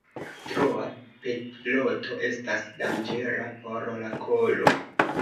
Troa petolo estas danĝera por la kolo.